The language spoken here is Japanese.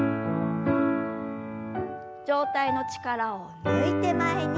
上体の力を抜いて前に。